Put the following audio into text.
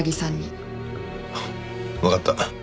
わかった。